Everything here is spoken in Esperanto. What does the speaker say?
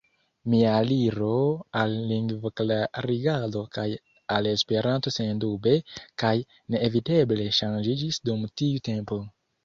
Mia aliro al lingvoklarigado kaj al Esperanto sendube kaj neeviteble ŝanĝiĝis dum tiu tempo.